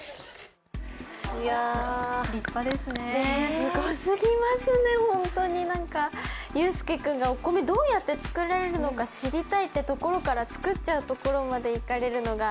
すごすぎますね、本当に佑輔君がお米どうやって作れるのか知りたいというところから作っちゃうところまでいかれるのが。